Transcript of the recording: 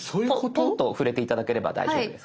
ポンと触れて頂ければ大丈夫です。